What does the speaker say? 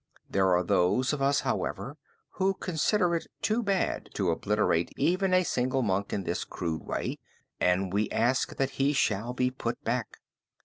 There are those of us, however, who consider it too bad to obliterate even a single monk in this crude way and we ask that he shall be put back.